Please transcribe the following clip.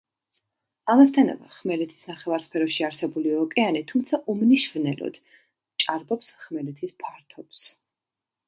ამასთანავე ხმელეთის ნახევარსფეროში არსებული ოკეანე, თუმცა უმნიშვნელოდ, ჭარბობს ხმელეთის ფართობს.